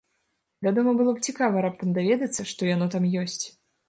Вядома, было б цікава раптам даведацца, што яно там ёсць.